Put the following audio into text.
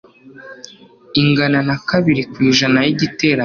ingana na kabiri ku ijana y igiteranyo